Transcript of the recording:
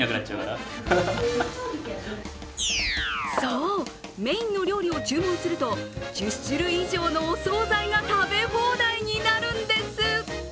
そう、メインの料理を注文すると１０種類以上のお総菜が食べ放題になるんです。